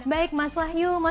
baik mas wahyu